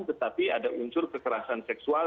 tetapi ada unsur kekerasan seksual